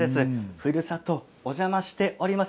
ふるさと、お邪魔しております。